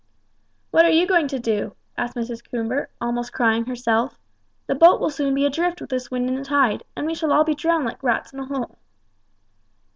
"What are you going to do?" asked Mrs. Coomber, almost crying herself; "the boat will soon be adrift with this wind and tide, and we shall all be drowned like rats in a hole."